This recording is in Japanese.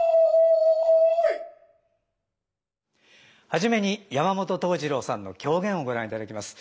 はじめに山本東次郎さんの狂言をご覧いただきます。